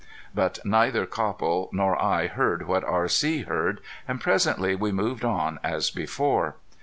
But neither Copple nor I heard what R.C. heard, and presently we moved on as before.